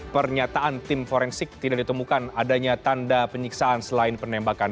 pernyataan tim forensik tidak ditemukan adanya tanda penyiksaan selain penembakan